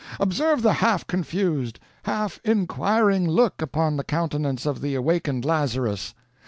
Observe the half confused, half inquiring look upon the countenance of the awakened Lazarus.